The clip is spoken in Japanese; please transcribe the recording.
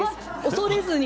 恐れずに。